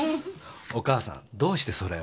お母さんどうしてそれを？